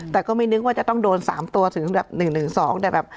แต่ก็ไม่นึกว่าจะต้องโดนสามตัวถึงแบบหนึ่งหนึ่งสองแต่แบบ